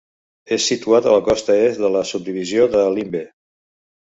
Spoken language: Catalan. És situat a la costa est de la subdivisió de Limbe.